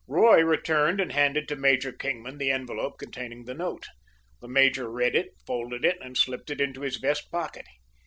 Roy returned and handed to Major Kingman the envelope containing the note. The major read it, folded it, and slipped it into his vest pocket.